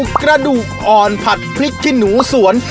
กระดูกอ่อนผัดพริกขี้หนูสวน